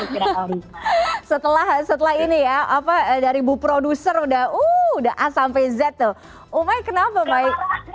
setelah setelah ini ya apa dari bu produser udah a sampai z tuh umai kenapa mai